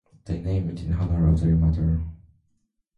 They named it in honor of their mother.